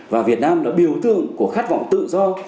và việt nam là biểu tượng của khát vọng tự do